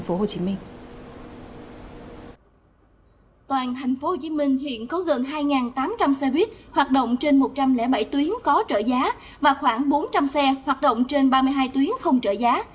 toàn tp hcm hiện có gần hai tám trăm linh xe buýt hoạt động trên một trăm linh bảy tuyến có trợ giá và khoảng bốn trăm linh xe hoạt động trên ba mươi hai tuyến không trợ giá